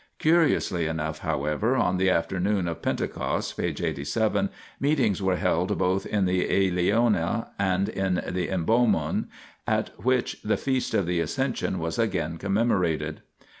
Curiously enough, however, on the afternoon of Pentecost (p. 87) meet ings were held both in the Eleona and in the Im bomon at which the feast of the Ascension was again commemorated.